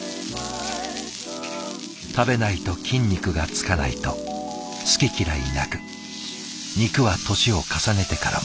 「食べないと筋肉がつかない」と好き嫌いなく肉は年を重ねてからも。